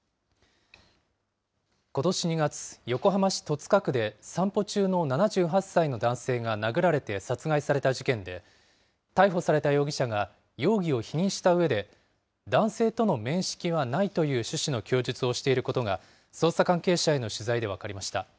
ことし２月、横浜市戸塚区で、散歩中の７８歳の男性が殴られて殺害された事件で、逮捕された容疑者が容疑を否認したうえで、男性との面識はないという趣旨の供述をしていることが、捜査関係者への取材で分かりました。